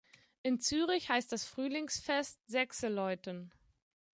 In Zürich heißt das Frühlingsfest Sechseläuten.